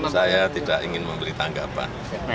saya tidak ingin memberi tanggapan